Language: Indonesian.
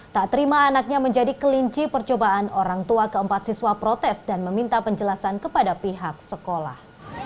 tak terima anaknya menjadi kelinci percobaan orang tua keempat siswa protes dan meminta penjelasan kepada pihak sekolah